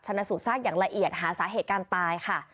ชนะสูตซากอย่างละเอียดหาสาเหตุการณ์ตายค่ะ